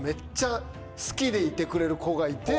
でいてくれる子がいて。